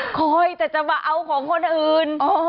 คอยแต่จะมาเอาของคนอื่น